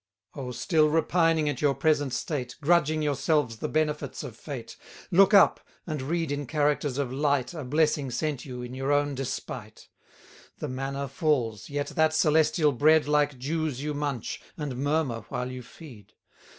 O still repining at your present state, Grudging yourselves the benefits of fate, Look up, and read in characters of light A blessing sent you in your own despite. The manna falls, yet that celestial bread Like Jews you munch, and murmur while you feed.